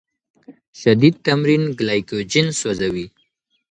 شدید تمرین ګلایکوجن سوځوي.